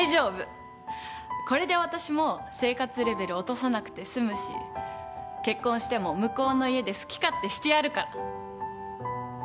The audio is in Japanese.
これで私も生活レベル落とさなくて済むし結婚しても向こうの家で好き勝手してやるから。